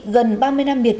gần ba mươi năm biệt